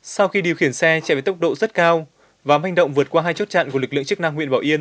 sau khi điều khiển xe chạy với tốc độ rất cao và manh động vượt qua hai chốt chặn của lực lượng chức năng huyện bảo yên